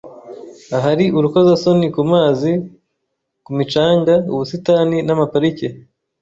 ahari urukozasoni Kumazi kumicanga ubusitani namaparike